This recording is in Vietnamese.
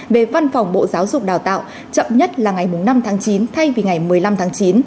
về văn phòng bộ giáo dục đào tạo chậm nhất là ngày năm tháng chín thay vì ngày một mươi năm tháng chín